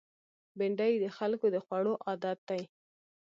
بېنډۍ د خلکو د خوړو عادت دی